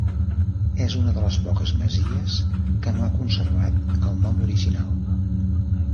És una de les poques masies que no ha conservat el nom original.